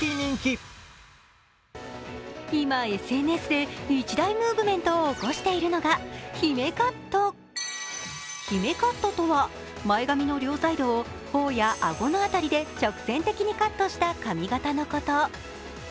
今、ＳＮＳで一大ムーブメントを起こしているのが「＃姫カット」姫カットとは前髪の両サイドを頬や顎の辺りで直線的にカットした髪形のこと。